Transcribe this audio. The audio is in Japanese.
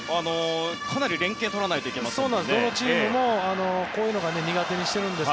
かなり連係を取らないといけませんね。